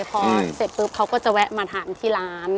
พอเสร็จปุ๊บเขาก็จะแวะมาทานที่ร้าน